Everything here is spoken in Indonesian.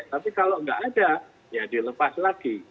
tapi kalau nggak ada ya dilepas lagi